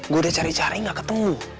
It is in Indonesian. gua udah cari cari gak ketemu